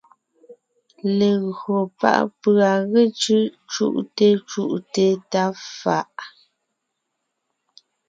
Legÿo pá’ pʉ̀a ge cʉ́’ cú’te cú’te tá fa’a,